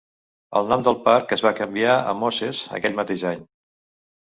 El nom del parc es va canviar a Moses aquell mateix any.